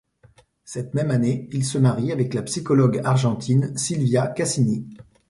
Cette même année, il se marie avec la psychologue argentine Silvia Cassini.